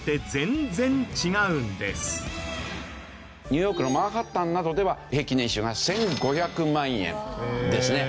ニューヨークのマンハッタンなどでは平均年収が１５００万円ですね。